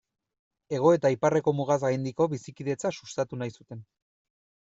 Hego eta Iparreko mugaz gaindiko bizikidetza sustatu nahi zuten.